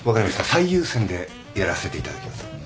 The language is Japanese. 最優先でやらせていただきます。